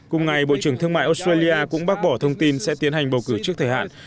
cùng ngày bộ trưởng thương mại australia cũng bác bỏ thông tin sẽ tiến hành bầu cử trước thời hạn